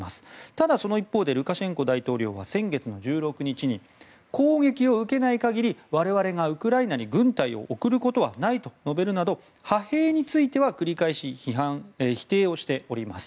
ただ、その一方でルカシェンコ大統領が先月１６日に攻撃を受けない限り、我々がウクライナに軍隊を送ることはないと述べるなど派兵については繰り返し否定をしています。